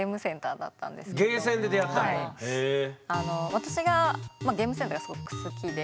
私がゲームセンターがすごく好きで。